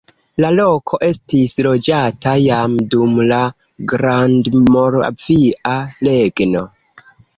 La loko estis loĝata jam dum la Grandmoravia Regno.